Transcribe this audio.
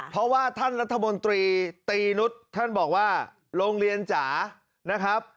เพราะว่าท่านรัฐมนตรีตีนุษย์ท่านบอกว่าโรงเรียนจ๋านะครับ